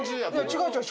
違う違う。